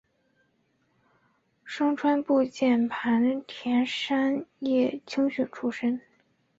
牲川步见在磐田山叶青训出身。